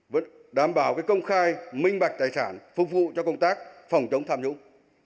vẫn đảm bảo cái công khai minh bạch tài sản phục vụ cho công tác phòng chống tham nhũng